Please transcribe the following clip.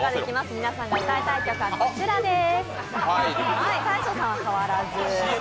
皆さんが歌いたい曲はこちらです。